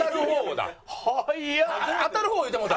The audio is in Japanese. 当たる方言うてもうたの？